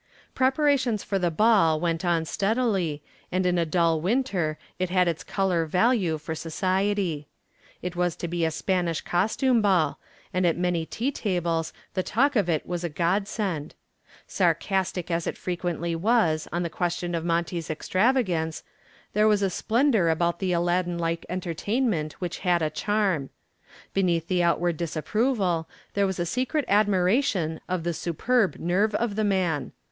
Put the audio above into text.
Preparations for the ball went on steadily, and in a dull winter it had its color value for society. It was to be a Spanish costume ball, and at many tea tables the talk of it was a god send. Sarcastic as it frequently was on the question of Monty's extravagance, there was a splendor about the Aladdin like entertainment which had a charm. Beneath the outward disapproval there was a secret admiration of the superb nerve of the man.